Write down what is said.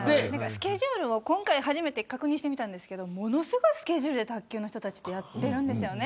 スケジュールを確認したんですけどものすごいスケジュールで卓球の人たちはやってるんですよね。